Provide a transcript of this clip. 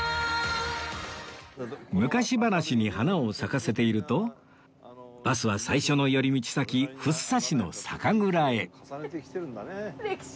昔話に花を咲かせているとバスは最初の寄り道先福生市の酒蔵へ